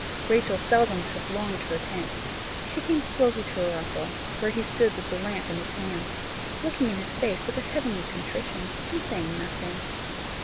Rachel seldom took long to repent. She came slowly to her uncle, where he stood with the lamp in his hand, looking in his face with a heavenly contrition, and saying nothing.